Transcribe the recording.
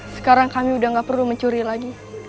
sekarang kami sudah tidak perlu mencuri lagi